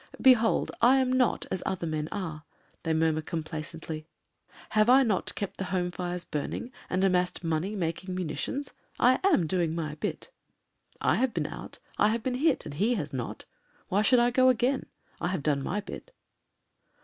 "Be hold I am not as other men are," they murmur com placently; "have not I kept the home fires burning, and amassed money making munitions ?" I am doing my bit." "I have been out; I have been hit — and he has not. Why should I go again? I have done my bit."